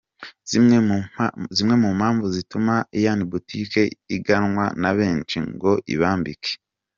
Zimwe mu mpamvu zituma Ian Boutique iganwa na benshi ngo ibambike.